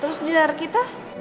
terus jalan hari kita